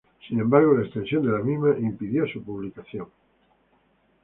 Sin embargo, la extensión de la misma impidió su publicación.